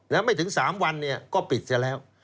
แล้วไม่ถึง๓วันเนี่ยก็ปิดเสียแล้ว